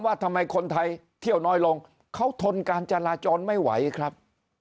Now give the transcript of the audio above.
ว่าทำไมคนไทยเที่ยวน้อยลงเขาทนการจราจรไม่ไหวครับ